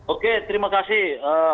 oke terima kasih